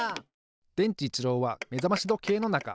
でんちいちろうはめざましどけいのなか。